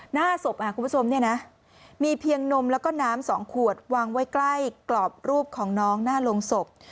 หน้าศพคุณผู้ชมเนี่ยนะมีเพียงนมแล้วก็น้ำ๒ขวดวางไว้ใกล้กรอบรูปของน้องหน้าโรงศพ